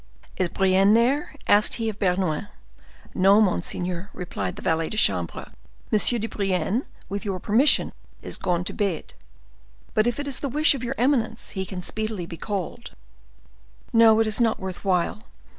"Is Brienne there?" asked he of Bernouin. "No, monseigneur," replied the valet de chambre; "M. de Brienne, with your permission, is gone to bed. But if it is the wish of your eminence, he can speedily be called." "No, it is not worth while.